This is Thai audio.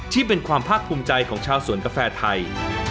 ที่เป็นความภาคภูมิใจของชาวสวนกาแฟไทย